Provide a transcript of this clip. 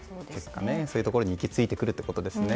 そういうところに行き着いてくるということですね。